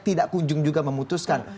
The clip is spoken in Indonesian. tidak kunjung juga memutuskan